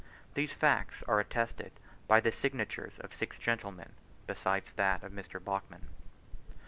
These facts are attested by the signatures of six gentlemen, besides that of Mr. Bachman.